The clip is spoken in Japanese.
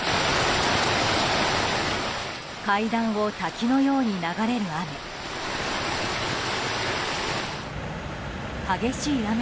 階段を滝のように流れる雨。